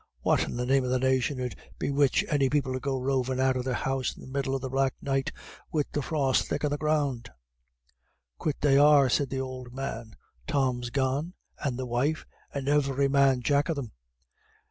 "What in the name of the nation 'ud bewitch any people to go rovin' out of their house in the middle of the black night, wid the frost thick on the ground?" "Quit they are," said the old man. "Tom's gone, and the wife, and every man jack of them.